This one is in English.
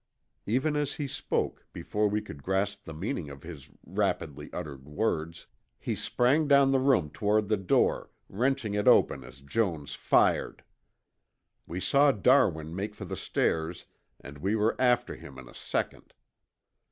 Even as he spoke, before we could grasp the meaning of his rapidly uttered words, he sprang down the room toward the door, wrenching it open as Jones fired. We saw Darwin make for the stairs and we were after him in a second.